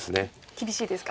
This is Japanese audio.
厳しいですか。